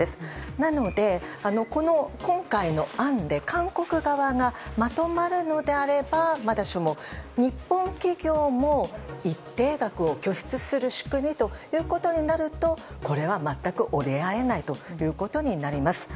なので、今回の案で韓国側がまとまるのであればまだしも日本企業も一定額を拠出する仕組みとなるとこれは全く折り合えないということになります。